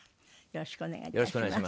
よろしくお願いします。